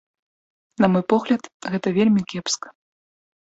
На мой погляд, гэта вельмі кепска.